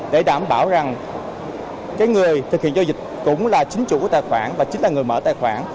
để đảm bảo rằng người thực hiện giao dịch cũng là chính chủ của tài khoản và chính là người mở tài khoản